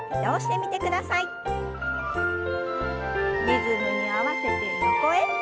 リズムに合わせて横へ。